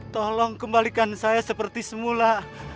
tolong kembalikan saya seperti semula